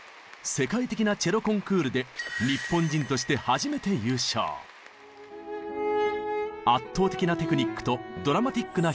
世界的なチェロコンクールで圧倒的なテクニックとドラマティックな表現力。